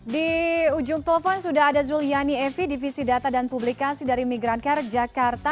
di ujung telepon sudah ada zulyani evi divisi data dan publikasi dari migrant care jakarta